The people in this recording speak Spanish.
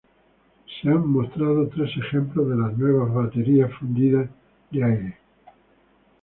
Se han mostrado tres ejemplos de las nuevas baterías fundidas de aire.